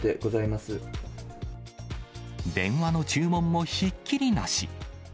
電話の注文もひっきりなし。